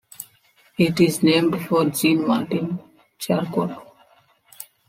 It is named for Jean-Martin Charcot.